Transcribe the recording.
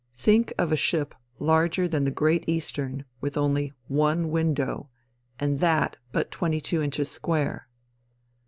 Think of a ship larger than the Great Eastern with only one window, and that but twenty two inches square!